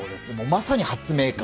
まさに発明家。